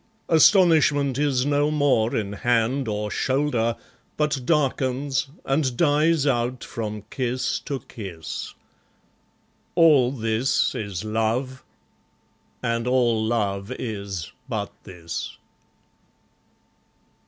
Astonishment is no more in hand or shoulder, But darkens, and dies out from kiss to kiss. All this is love; and all love is but this.